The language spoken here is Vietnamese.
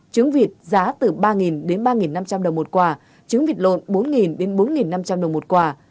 trứng vịt giá từ ba đến ba năm trăm linh đồng một quả trứng vịt lộn bốn đến bốn năm trăm linh đồng một quả